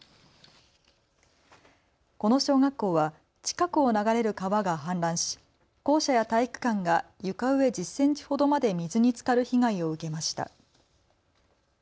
この小学校は近くを流れる川が氾濫し校舎や体育館が床上１０センチほどまで水につかる被害を受けました。